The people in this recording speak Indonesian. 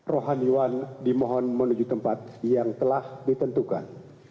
rohan yuan dimohon menuju tempat yang telah ditentukan